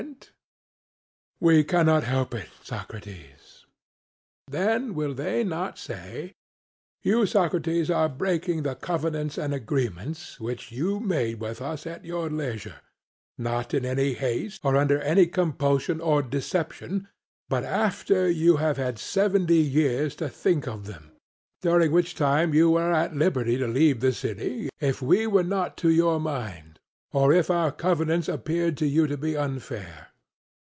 CRITO: We cannot help it, Socrates. SOCRATES: Then will they not say: 'You, Socrates, are breaking the covenants and agreements which you made with us at your leisure, not in any haste or under any compulsion or deception, but after you have had seventy years to think of them, during which time you were at liberty to leave the city, if we were not to your mind, or if our covenants appeared to you to be unfair.